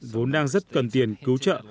vốn đang rất cần tiền cứu trợ